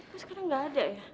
tapi sekarang nggak ada ya